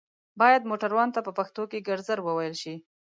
بايد موټروان ته په پښتو کې ګرځر ووئيل شي